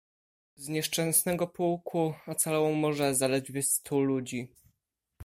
"Z nieszczęsnego pułku ocalało może zaledwie stu ludzi."